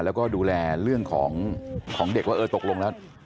แล้วก็ดูแลเรื่องของเด็กว่าเออตกลงแล้ว